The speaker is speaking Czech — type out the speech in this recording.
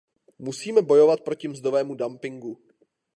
Musíme bojovat proti mzdovému dumpingu.